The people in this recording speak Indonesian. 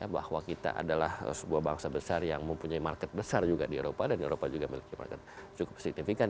bahwa kita adalah sebuah bangsa besar yang mempunyai market besar juga di eropa dan eropa juga memiliki market cukup signifikan